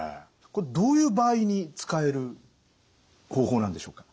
これどういう場合に使える方法なんでしょうか？